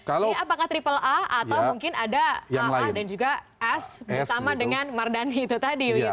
apakah aaa atau mungkin ada aa dan juga s bersama dengan mardhani itu tadi